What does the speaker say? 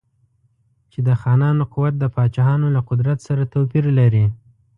چې د خانانو قوت د پاچاهانو له قدرت سره توپیر لري.